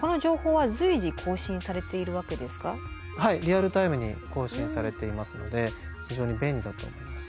はいリアルタイムに更新されていますので非常に便利だと思います。